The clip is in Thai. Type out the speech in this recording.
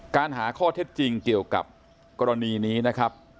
หาข้อเท็จจริงเกี่ยวกับกรณีนี้นะครับ